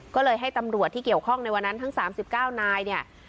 ก็เลยให้ตำรวจที่เกี่ยวข้องในวันนั้นทั้ง๓๙นายเนี่ย